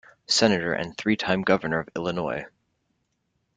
Senator and three-time Governor of Illinois.